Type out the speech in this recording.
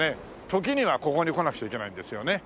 時にはここに来なくちゃいけないんですよね。